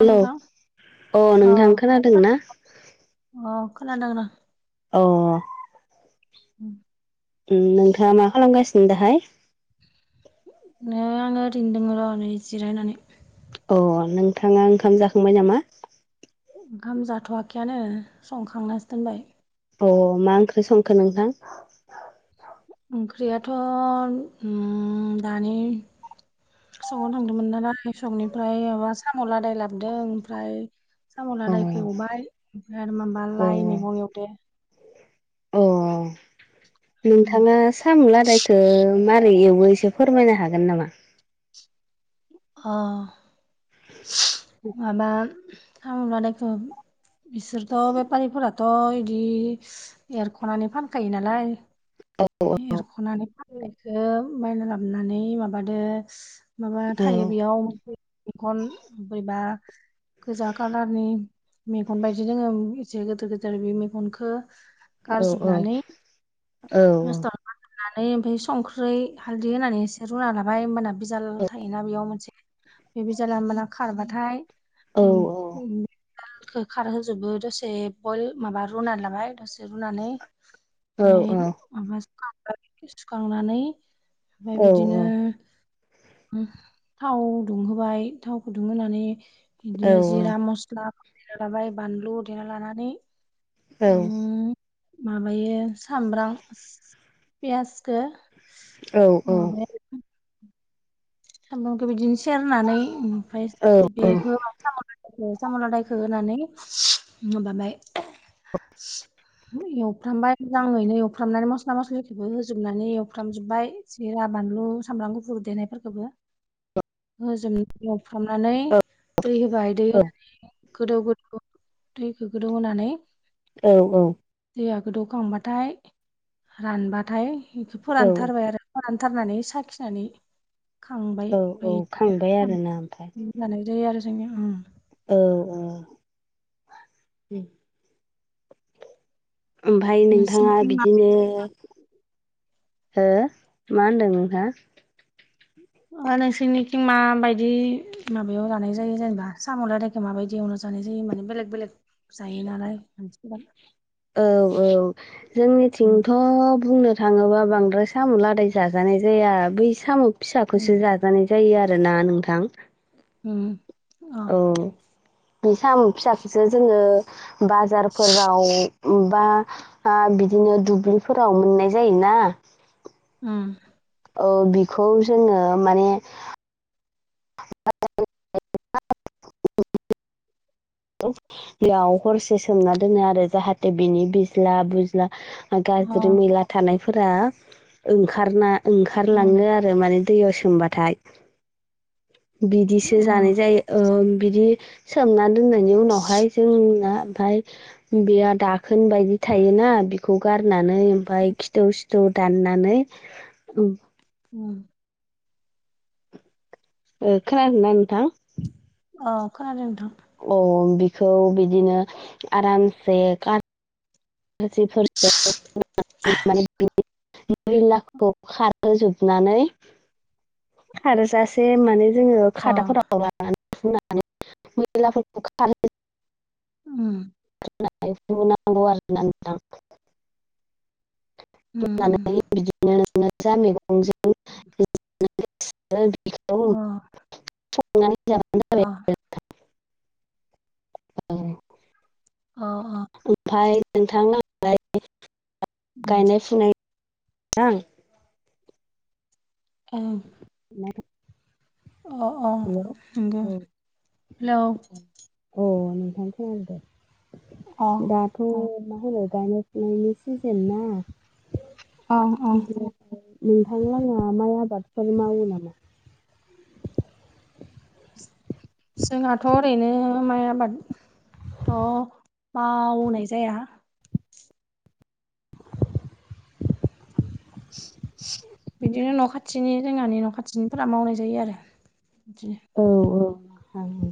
औ हेल' नोंथां अ नोंथां खोनादोंना? अ खोनादों र'? अ उ नोंथाङा मा खालामगासिनो दाहाय? नो आङो ओरैनोदों र' नरै जिरायनानै अ नोंथाङा ओंखाम जाखांबाय नामा? ओंखाम जाथ'वाखैयानो संखांनासो दोनबाय। अ मा ओंख्रि संखो नोंथां? ओंख्रियाथ' उम दानि सङाव थांदोंमोन नालाय संनिफ्राय माबा साम' लादाय लाबोदों ओमफ्राय अ साम'लादायखौ एवबाय ओमफ्राय आरो माबा अ लाइ मैगं एवदो। अ उम नोंथाङा साम' लादाय थो माबारै एवो एसे फोरमायनो हागोन नामा? अ माबा साम' लादायखौ बिसोरथ' बेफारिफोराथ' बिदि एरख'नानै फानखायो नालाय औ औ एरख'नानै फाननायखौ बायना लाबोनानै माबादो माबा औ थायो बेयाव मंखन बैबा गोजा कालारनि मेगन बायदि जोङो एसे गोदोर गोदेर बे मेगनखो औ गारजोबनानै औ [inaudible] ओमफाय संख्रि हालदै होनानै एसे रुना लाबाय ओमबाना बिजाल थायोना बेयाव मोनसे बे बिजाला ओमबाना खारबाथाय औ उम उम दालखौ खारहोजोबो दसे बयल माबा रुनानै लाबाय दसे रुनानै औ [unintelligible] माबा सुखां सुखांनानै ओमफाय औ बिदिनो थाव दुंहोबाय थावखौ दुंहोनानै बिदिनो जिरा मस्ला देना लाबाय बानलु देना लानानै औ उम, माबायो सामब्राम पियासदो औ औ। सामब्रामखौ बिदिनो सेरनानै ओमफ्राय बेखौ म साम' साम'लादायखौ होनानै माबाबाय एवफ्रामबाय मोजाङैनो एवफ्रामनानै मस्ला मस्लिखौबो होजोबनानै एवफ्रामजोबबाय सिरा बानलु सामब्राम गुफुर देनायफोरखौबो होजोबनानै एवफ्रामनानै दै होबाय दै होनानै गोदौ गोदौ दैखौ गोदौ होनानै औ औ दैया गोदौखांबाथाय रानबाथाय बेखौ औ फोरानथारबाय आरो। फोरानथारनानै साखिनानै खांबाय औ ओमफाय औ खांबाय आरोना ओमफ्राय बिदिनो लानाय जायो आरो जोंङो औ बुङो ओमफाय नोंथाङा नोंसिनिथिं बिदिनो माबायदि हो मा होनदों नोंथां? नोंसोरनिखिं मा बायदि माबायाव जानाय जायो जेनेबा साम'लदायखो माबायदियाव एवना जानाय जायो माने बेलेग बेलेग जायो नालाय औ औ उम जोंनिथिंथ' बुंनो थाङोबा बांद्राय सामु लादाय जाजानाय जाया बै साम उम फिसाखौसो जानाय जायो आरोना नोंथां। उम अ औ बे सामु फिसाखोसो जोङो बाजारफोराव बा बिदिनो दुब्लिफोराव मोननाय जायोना उम औ बिखौ जोङो माने याव हरसे सोमना दोनो आरो जाहाथे बिनि बिज्ला बुज्ला अ गाज्रि मैला थानायफोरा ओंखारना उम ओंखारलाङो आरो माने दैयाव सोमबाथाय बिदिसो जानाय अ जायो ओ बिदि सोमना दोननायनि उनावहाय जोंना ओमफाय बेया दाखोन बायदि थायोना बेखौ गारनानै ओमफाय खिथौ सिथौ दाननानै उम उम खोनादोंना नोंथां? औ खोनादो नोंथां। अ बिखौ बिदिनो आरामसे माखासेफोर माने [unintelligible] मैलाखौ खारहोजोबनानै खारजासे माने जोङो अ खादाफोराव लानानै हुनानै मैलाफोरखौ [unintelligible] उम [unintelligible] नांगौ आरोना नोंथां उम उम नानै बिदिनो नोङो मैगंजों अ [unintelligible] [unintelligible] अ। अ अ। ओमफाय नोंथां उम [unintelligible] औ। [unintelligible] अ अ हेल' नंगौ औ हेलौ औ नोंथां खोनादो। अ दाथ' मा होनो गायनाय फुनायनि सिजोन ना अ अ नोंथां मोनहा माइ आबादफोर मावो नामा? जोंहाथ' ओरैनो माइ आबाद थ' मावनाय जाया [inaudible] बिदिनो न' खाथिनि जोंहानि न' खाथिनिफोरा मावनाय जायो आरो बिदिनो। औ औ नोंथां नंगौ।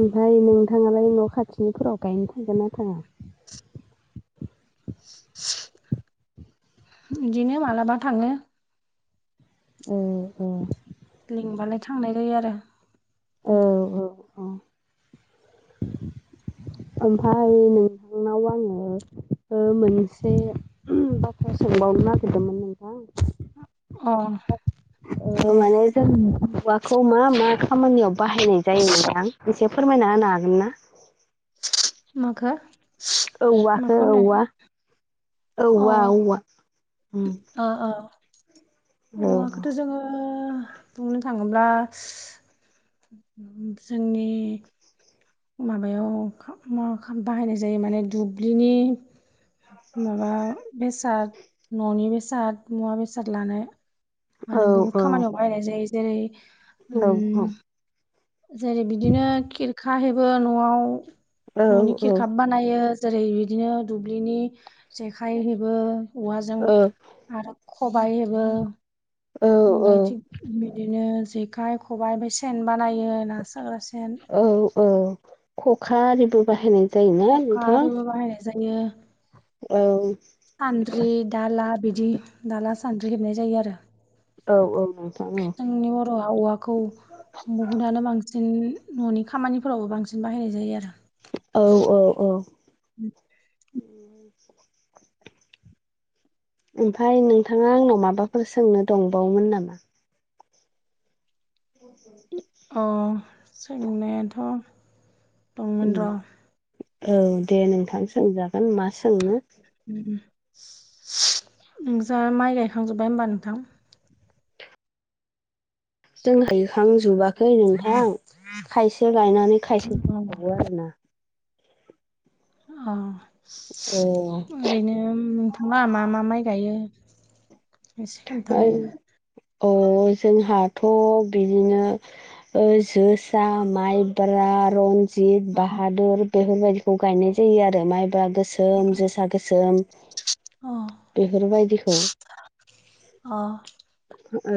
ओमफ्राय नोंथाङालाय न' खाथिनिफोराव गायनो थागोन ना थाङा? इदिनो मालाबा थाङो। औ औ। लिंबानो थांनाय जायो आरो। औ औ औ। ओमफ्राय नोंथांनाव आङो ओ मोनसे बाथ्रा सोंबावनो नागिरदोंमोन नोंथां। अ। ओ दे माने [unintelligible] औवाखौ मा मा खामानियाव बाहायनाय जायो नोंथां एसे फोरमायना होनो हागोन ना? माखो? औवखौ माखौ होनो औवा औवा औवा उम। औ औ औ औवाखौथ' जोङो बुंनो थाङोब्ला जोंनि माबायाव खाम मा खाम बाहायनाय जायो माने दुब्लिनि माबा बेसाद न'नि बेसाद मुवा बेसाद लानाय औ माने बुहुत खामानियाव बाहायनाय जायो जेरै हेल' औ। उम जेरै बिदिनो खिरखा हेबो न'आव औ न'नि खिरखा बानायो जेरै बिदिनो दुब्लिनि जेखाइ हेबो औवाजों आरो खबाइ हेबो। ओमफाय थिग बिदिनो जेखाइ खबाइ ओमफ्राय सेन बानायो ना साग्रा सेन। औ औ औ खखा आरिबो बाहायनाय जायोना खखा नोंथां आरिबो बाहायनाय औ। सानद्रि दाला बिदि दाला सान्द्रि हेबनाय जायो आरो। औ औ नोंथां औ जोंनि बर'आव औवाखौ बुहुदानो बांसिन न'नि खामानिफोरावबो बांसिन बाहायनाय जायो आरो। औ औ औ। [inaudible] [inaudible] ओमफाय नोंथाङा आंनाव माबाफोर सोंनो दंबावोमोन नामा? [inaudible] अ सोंनायाथ' दंमोन र'। औ दे नोंथां सोंजागोन मा सोंनो। नों जा माइ गायखांजोबबाय होमबा नोंथां? जों [unintelligible] खांजोबाखै नोंथां खायसे लायनानै खायसे अ [unintelligible] बावो आरोना। औ। ओ ओरैनो नोंथाङा मा मा माइ गायो एसे खोन्थालाय? औ जोंहाथ' बिदिनो ओ जोसा, माइब्रा, रन जिब, बाहादुर बेफोरबायाददिखौ गायनाय जायो आरो माइब्रा गोसो दोन जोसा गोसोम अ बेफोरबायदिखौ अ। ओ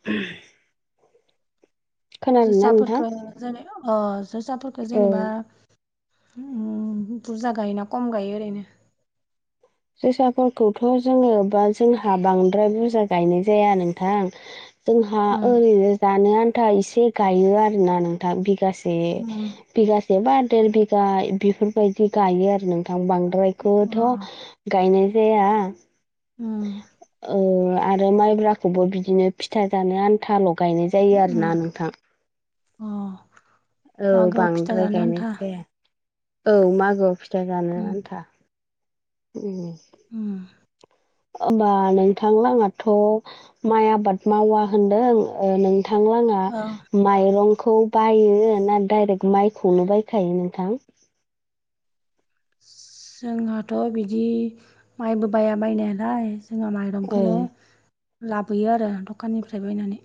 [unintelligible] खोनादोंना नोंथां? जोसाफोरखौ जेनेबा अ जोसाफोरखौ औ जेनेबा उम बुरजा गायोना खम गायो ओरैनो? जोसाफोरखौथ' जोङो बा जोंहा बांद्राय बुरजा गायनाय जाया नोंथां। जोंहा उम ओरैनो जानो आन्था एसे गायो आरोना नोंथां बिगासे। उम बिगासे बा देर बिघा बेफोरबायदि गायो आरो नोंथां बांद्रायखौथ' अ गायनाय जाया। उम। ओ आरो माइब्राखौबो बिदिनो फिथा जानो आन्थाल' गायनाय जायो आरोना उम नोंथां। अ औ मागोआव फिथा बांद्राय जानो गायनाय आन्था जाया। औ मागोआव फिथा जानो उम आन्था। उम। उम। होमबा नोंथां [unintelligible] थ' माइ आबाद मावा होनदों ओ नोंथांलाङा औ माइरंखौ बायो ना डाइरेक्ट माइखौनो बायखायो नोंथां? जोंहाथ' बिदि माइबो बाया बायनायालाय। जोङो औ माइरंखौनो लाबोयो आरो दखाननिफ्राय बायनानै।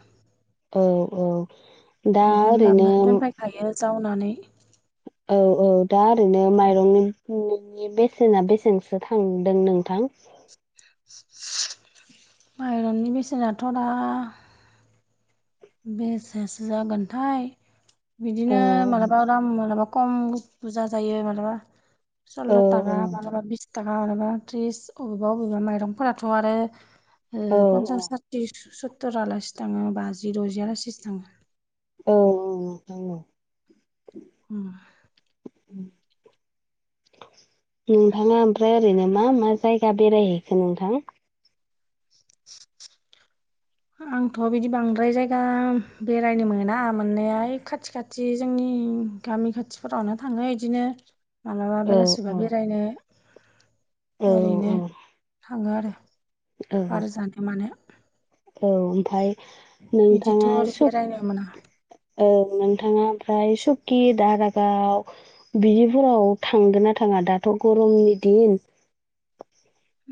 औ औ दा ओरैनो हायो जावनानै औ औ दा ओरैनो माइरंनि नोंनि बेसेना बेसेनसो थांदों नोंथां? माइरननि बेसेनाथ' दा बेसेसो जागोनथाय बिदिनो औ मालाबा दाम मालाबा खम बुजा जायो मानलाबा औ सल्ल' थाखा बिस थाखा मालाबा त्रिस अबेबा अबेबा माइरंफोराथ' आरो ओ पन्सास सा औ थि सत्तरालासि थाङो बाजि द'जि आलासिसो थाङो। औ औ औ। उम। [inaudible] नोंथाङा ओमफ्राय ओरैनो मा मा जायगा बेरायहैखो नोंथां? आंथ' बिदि बांद्राय जायगा बेरायनो मोना मोननाया खाथि खाथि जोंनि गामि खाथिफोरावनो थाङो इदिनो मालाबा औ बेलासिबा बेरायनो औ ओरैनो थाङो आरो। औ बार जानो मानो औ ओमफाय बिदिथ' नोंथाङा ओरै बेरायनो मोना सब औ नोंथाङा ओमफ्राय सुखि, दारागाव बिफोराव थांगोन ना थाङा दाथ' गरमनि दिन?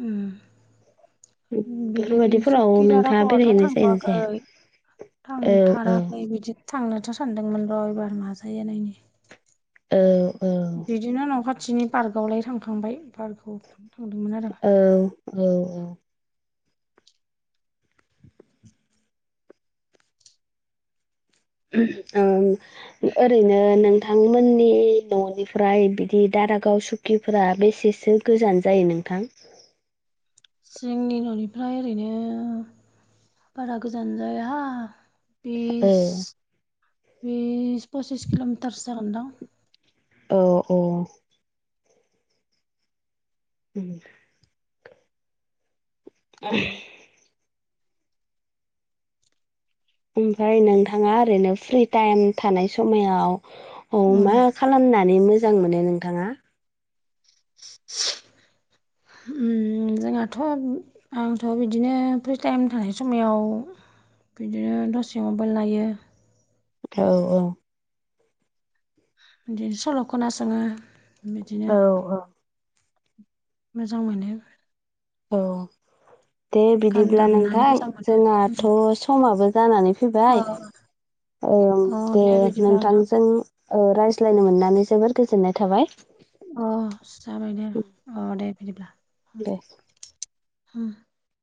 उम। बिदि बेफोरबायदिफोराव सखि नोंथाङा दारागावावथ' बेरायहैनाय जायोना थांथ'आखै। जाया? औ औ थांथाराखै बिदि थांनोथ' सानदोंमोन र' एबार नाजायो नायनिसै। औ औ बिदिनो न' खाथिनि पार्कआवलाय थांखांबाय पार्कआव थांदोंमोन आरो। औ औ औ। ओं ओरैनो नों नोंथांमोननि न'निफ्राय बिदि दारागाव, सुकिफोरा बेसेसो गोजान? जोंनि न'निफ्राय ओरैनो बारा गोजान जाया। औ बिस, बिस पसिस किल'मिटारसो जागोन दां। औ औ। उम [inaudible] ओमफ्राय नोंथाङा ओरैनो फ्रि टाइम थानाय समायाव अ उम मा खालामनानै मोजां मोनो नोंथाङा? उम जोंहाथ' आंथ' बिदिनो फ्रि टाइम थानाय समायाव बिदिनो दसे मबाइल नायो। औ औ। बिदिनो सल' खोनासङो। बिदिनो औ औ। मोजां मोनो। औ दे गान बिदिब्ला दामनानै नोंथां मोजां मोनो उम। जोंहाथ' समाबो जानानै अ फैबाय ओं अ दे बिदिब्ला नोंथां नोंथांजों ओ रायज्लायनो मोननानै जोबोर गोजोननाय थाबाय। अ जाबाय दे अ दे बिदिब्ला। दे